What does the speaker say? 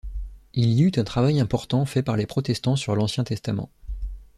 Il y eut un travail important fait par les protestants sur l'Ancien Testament.